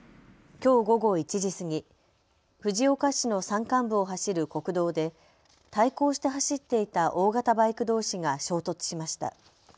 きょう午後１時過ぎ、藤岡市の山間部を走る国道で対向して走っていた大型バイクどうしが衝突しました。